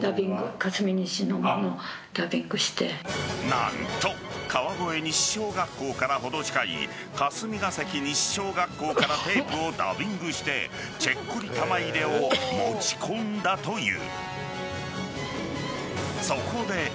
何と、川越西小学校から程近い霞ケ関西小学校からテープをダビングしてチェッコリ玉入れを持ち込んだという。